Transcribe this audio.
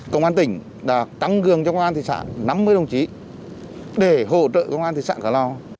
công an tỉnh đã tăng gương cho công an thị xã năm mươi đồng chí để hỗ trợ công an thị xã cửa lò